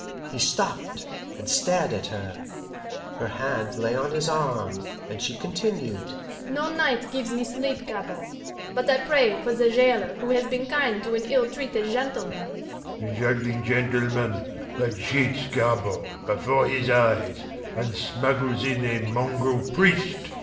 He stopped, and stared at her. Her hand lay on his arm, and she continued: "No night gives me sleep, Gabord, but I pray for the jailer who has been kind to an ill treated gentleman." "A juggling gentleman, that cheats Gabord before his eyes, and smuggles in a mongrel priest!"